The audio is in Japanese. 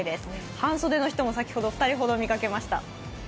半袖の人も先ほど、２人ほど見かけました。